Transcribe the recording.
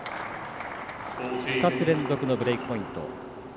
２つ連続のブレークポイント。